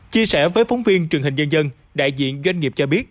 chia sẻ với phóng viên truyền hình dân dân đại diện doanh nghiệp cho biết